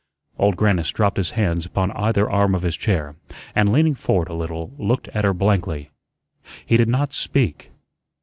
Old Grannis dropped his hands upon either arm of his chair, and, leaning forward a little, looked at her blankly. He did not speak.